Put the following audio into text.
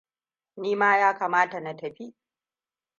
Nima ya kamata na tafi.